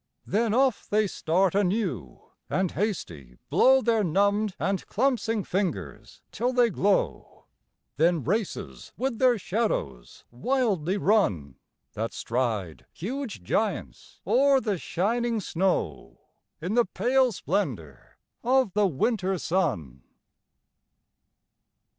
Then off they start anew and hasty blow Their numbed and clumpsing fingers till they glow; Then races with their shadows wildly run That stride huge giants o'er the shining snow In the pale splendour of the winter sun.